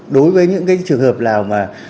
đối với những trường hợp nào